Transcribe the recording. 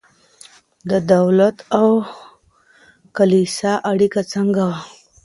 د دولت او کلیسا اړیکه څنګه وه؟